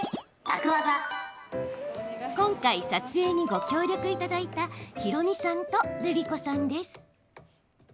今回、撮影にご協力いただいたひろみさんとるりこさんです。